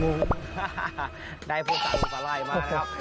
มุมได้พูดสารุประล่ายมากนะครับ